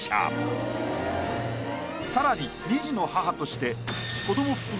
さらに２児の母として。